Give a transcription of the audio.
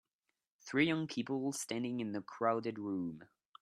Three young people standing in a crowded room